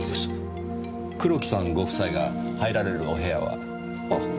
黒木さんご夫妻が入られるお部屋は？